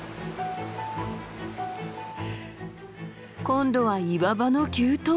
今度は岩場の急登！